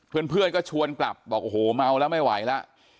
เพื่อนก็ชวนกลับบอกโอ้โหเมาแล้วไม่ไหวแล้ว